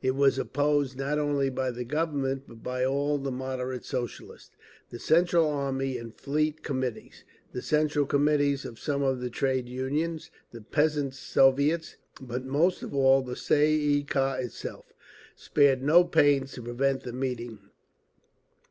It was opposed, not only by the Government but by all the "moderate" Socialists. The Central Army and Fleet Committees, the Central Committees of some of the Trade Unions, the Peasants' Soviets, but most of all the Tsay ee kah itself, spared no pains to prevent the meeting.